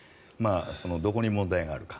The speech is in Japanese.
どこに問題があるか。